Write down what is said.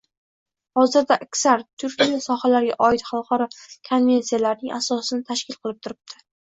hozirda aksar – turli sohalarga oid xalqaro konvensiyalarning asosini tashkil qilib turibdi.